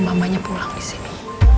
mamanya pulang disini